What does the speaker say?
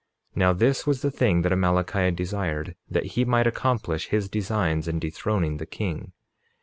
Now this was the thing that Amalickiah desired, that he might accomplish his designs in dethroning the king.